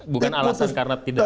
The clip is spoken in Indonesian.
bukan alasan karena tidak